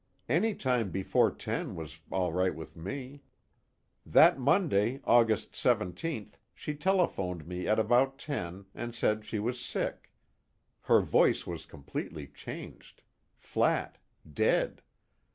"Any time before ten was all right with me. That Monday, August 17th, she telephoned me at about ten and said she was sick. Her voice was completely changed: flat, dead.